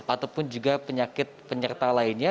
ataupun juga penyakit penyerta lainnya